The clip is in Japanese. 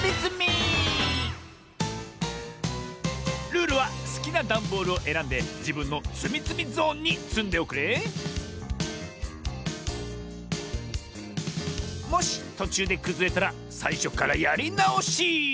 ルールはすきなダンボールをえらんでじぶんのつみつみゾーンにつんでおくれもしとちゅうでくずれたらさいしょからやりなおし。